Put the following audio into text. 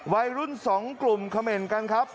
วัยรุ่น๒กลุ่มเขม่นกันครับ